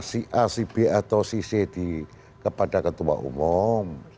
si a si b atau si c kepada ketua umum